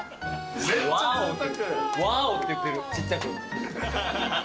「ＷＯＷ！」って言ってるちっちゃく。